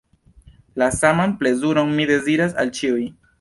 La saman plezuron mi deziras al ĉiuj.